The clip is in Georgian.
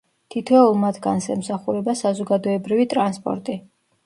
თითოეულ მათგანს ემსახურება საზოგადოებრივი ტრანსპორტი.